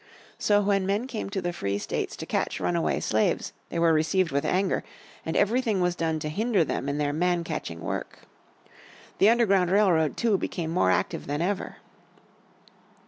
So when men came to the free states to catch runaway slaves they were received with anger, and everything was done to hinder them in their man catching work. The Underground Railroad, too, became more active than ever.